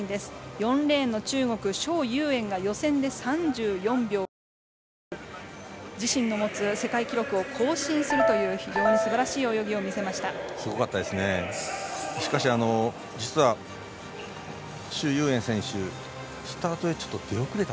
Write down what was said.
４レーンの中国、蒋裕燕が予選で３４秒５６という自身の持つ世界記録を更新するという非常にすばらしい泳ぎを見せました。